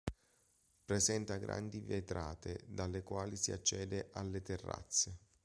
Presenta grandi vetrate dalle quali si accede alle terrazze.